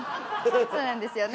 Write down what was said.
そうなんですよね。